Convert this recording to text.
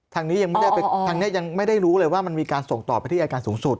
ทางนี้ยังไม่ได้รู้เลยว่ามันมีการส่งต่อไปที่อายการสูงสุด